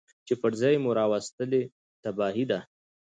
چي پر ځان مو راوستلې تباهي ده